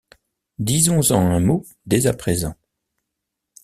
Disons-en un mot dès à présent.